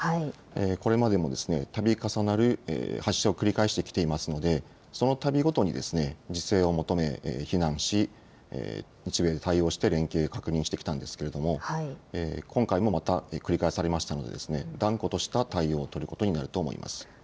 これまでもたび重なる発射を繰り返してきていますのでそのたびごとに非難し日米で連携を確認してきたんですけれども今回もまた繰り返されましたので断固とした対応を取ることになると思います。